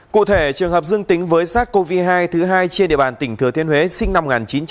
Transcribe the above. cụ thể trường hợp dương tính với sars cov hai thứ hai trên địa bàn tỉnh thừa thiên huế sinh năm một nghìn chín trăm chín mươi